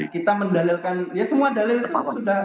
kita mendalilkan ya semua dalil itu sudah kami merasakan